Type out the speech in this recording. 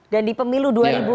dan di pemilu dua ribu empat belas